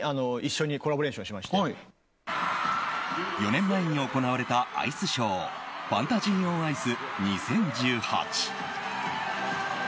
４年前に行われたアイスショー「ファンタジー・オン・アイス２０１８」。